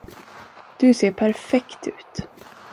Du ser perfekt ut.